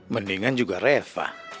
mendingan juga reva